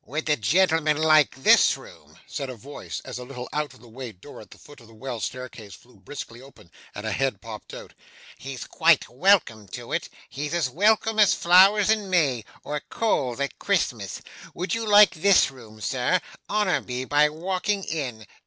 'Would the gentleman like this room?' said a voice, as a little out of the way door at the foot of the well staircase flew briskly open and a head popped out. 'He's quite welcome to it. He's as welcome as flowers in May, or coals at Christmas. Would you like this room, sir? Honour me by walking in.